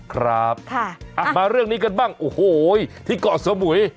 ครับมาเรื่องนี้กันบ้างโอ้โหที่เกาะสมุย